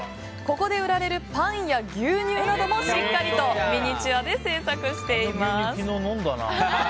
ここで売られるパンや牛乳などもしっかりとミニチュアで制作しています。